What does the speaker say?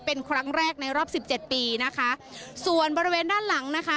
เป็นครั้งแรกในรอบสิบเจ็ดปีนะคะส่วนบริเวณด้านหลังนะคะ